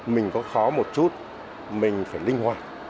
mình có khó một chút mình phải linh hoạt